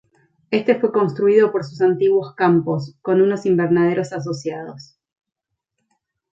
Este fue construido por sus antiguos campos, con unos invernaderos asociados.